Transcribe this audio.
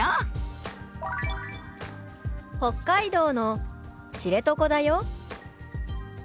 「北海道の知床だよ」。